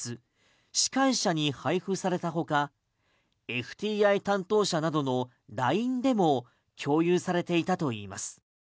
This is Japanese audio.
司会者に配布されたほかＦＴＩ担当者などのＬＩＮＥでも共有されていたといいます。